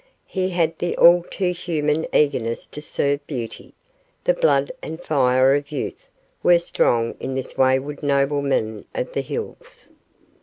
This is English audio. He had the all too human eagerness to serve beauty; the blood and fire of youth were strong in this wayward nobleman of the hills.